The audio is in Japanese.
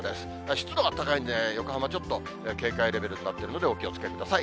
湿度が高いんで、横浜ちょっと、警戒レベルとなっているので、お気をつけください。